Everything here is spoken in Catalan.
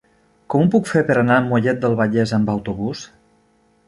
Com ho puc fer per anar a Mollet del Vallès amb autobús?